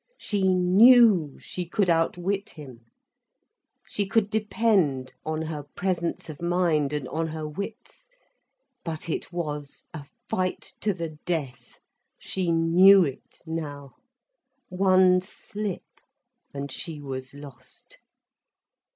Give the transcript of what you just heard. She knew she could outwit him. She could depend on her presence of mind, and on her wits. But it was a fight to the death, she knew it now. One slip, and she was lost.